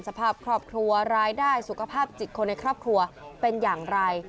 สภาพครอบครัวรายได้สุขภาพจิตคนในครอบครัวเป็นอย่างไร